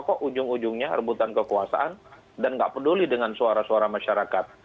kok ujung ujungnya rebutan kekuasaan dan nggak peduli dengan suara suara masyarakat